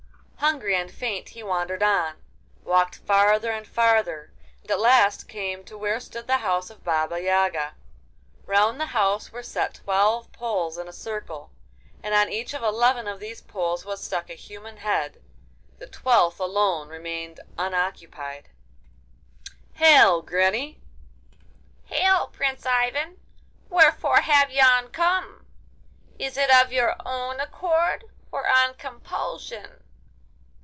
Hungry and faint he wandered on, walked farther and farther, and at last came to where stood the house of the Baba Yaga. Round the house were set twelve poles in a circle, and on each of eleven of these poles was stuck a human head; the twelfth alone remained unoccupied. 'Hail, granny!' 'Hail, Prince Ivan! wherefore have you come? Is it of your own accord, or on compulsion?